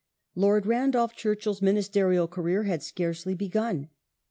Lord Randolph Churchill's ministerial career had scarcely begun.